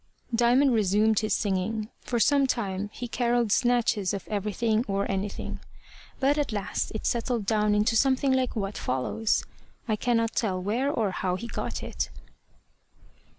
Diamond resumed his singing. For some time he carolled snatches of everything or anything; but at last it settled down into something like what follows. I cannot tell where or how he got it.